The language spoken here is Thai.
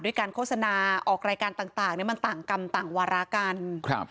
ด้วยการโฆษณาออกรายการต่างมันต่างกรรมต่างวารากร